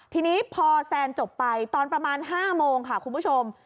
ทีนี้พอแซนจบไปตอนประมาณ๕โมงค่ะคุณผู้ชม